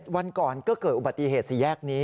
วันก่อนก็เกิดอุบัติเหตุสี่แยกนี้